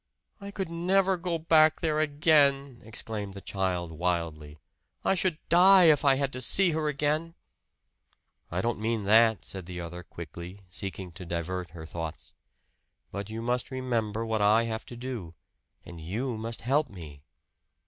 "I could never go back there again!" exclaimed the child wildly. "I should die if I had to see her again!" "I don't mean that," said the other quickly seeking to divert her thoughts. "But you must remember what I have to do; and you must help me."